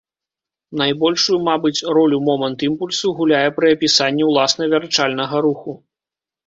Найбольшую, мабыць, ролю момант імпульсу гуляе пры апісанні уласна вярчальнага руху.